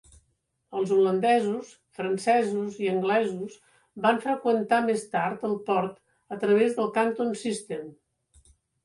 Els holandesos, francesos i anglesos van freqüentar més tard el port a través del Canton System.